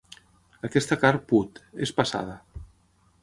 Aquesta carn put: és passada.